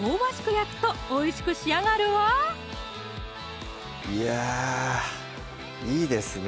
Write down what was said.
焼くとおいしく仕上がるわいやいいですね